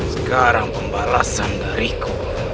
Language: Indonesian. sekarang pembalasan dariku